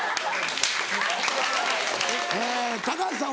え高橋さん